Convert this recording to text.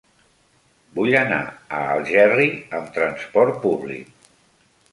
Vull anar a Algerri amb trasport públic.